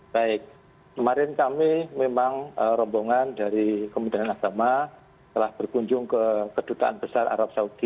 baik kemarin kami memang rombongan dari kementerian agama telah berkunjung ke kedutaan besar arab saudi